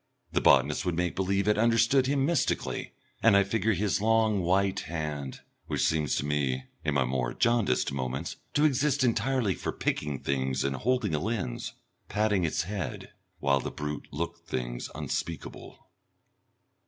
The botanist would make believe it understood him mystically, and I figure his long white hand which seems to me, in my more jaundiced moments, to exist entirely for picking things and holding a lens patting its head, while the brute looked things unspeakable....